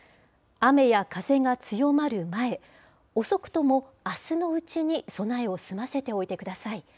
雨や風が強まる前、遅くともあすのうちに備えを済ませておいてください。